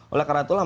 oleh karena itulah